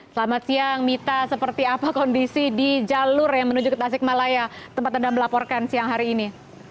selamat siang mita seperti apa kondisi di jalur yang menuju ke tasikmalaya tempat anda melaporkan siang hari ini